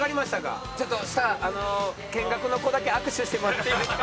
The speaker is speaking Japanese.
ちょっとスター見学の子だけ握手してもらっていいですか？